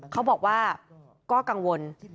เขาบอกว่าก็กังวล